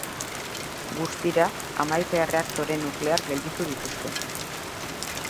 Guztira, hamaika erreaktore nuklear gelditu dituzte.